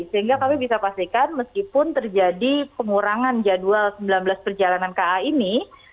sehingga kami bisa pastikan meskipun terjadi pengurangan jadwal sembilan belas perjalanan ka ini